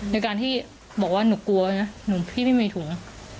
ในการที่บอกว่าหนูกลัวนะพี่ไม่มีถุง